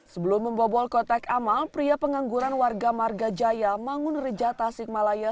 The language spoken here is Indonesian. sebelum membobol kotak amal pria pengangguran warga marga jaya mangun reja tasikmalaya